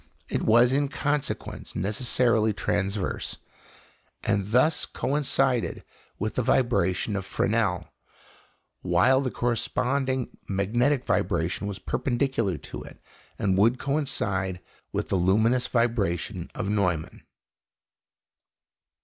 It was, in consequence, necessarily transverse, and thus coincided with the vibration of Fresnel; while the corresponding magnetic vibration was perpendicular to it, and would coincide with the luminous vibration of Neumann.